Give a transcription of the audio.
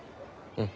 うん。